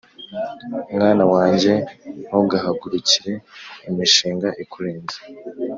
Mwana wanjye, ntugahagurukire imishinga ikurenze,